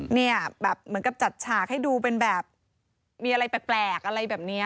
เนี่ยแบบเหมือนกับจัดฉากให้ดูเป็นแบบมีอะไรแปลกอะไรแบบนี้